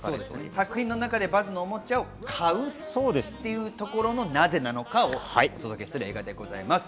作品の中でバズのおもちゃを買うというところのなぜなのかをお届けする映画です。